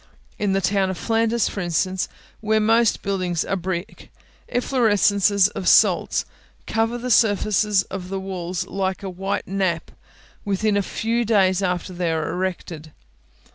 In the town of Flanders, for instance, where most buildings are of brick, effloresences of salts cover the surfaces of the walls, like a white nap, within a few days after they are erected.